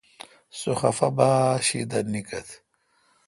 سو خفہ با شی دا نکھت۔